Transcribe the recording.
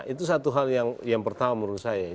itu satu hal yang pertama menurut saya